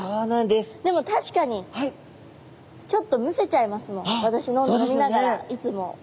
でも確かにちょっとむせちゃいますもん私飲みながらいつも。